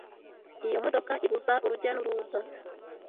Iyo modoka ibuza urujya n'uruza.